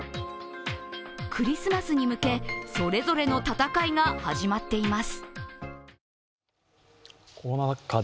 クリスマスに向けそれぞれの戦いが始まっています。